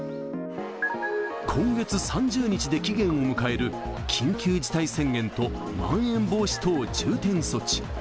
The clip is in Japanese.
今月３０日で期限を迎える緊急事態宣言とまん延防止等重点措置。